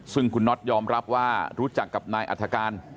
ซึ่งคุณน็อตยอมรับว่ารู้จักกับนายอัฐการ